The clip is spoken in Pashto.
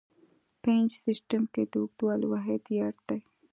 په انچ سیسټم کې د اوږدوالي واحد یارډ دی.